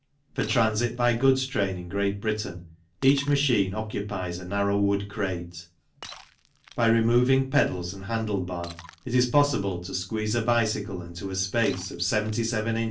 For transit by goods train in Great Britain each machine occupies a narrow wood crate ; by removing pedals and handle bar it is possible to squeeze a bicycle into a space of 77 in.